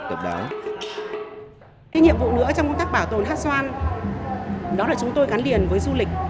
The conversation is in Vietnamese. cái nhiệm vụ nữa trong công tác bảo tồn hát xoan đó là chúng tôi gắn liền với du lịch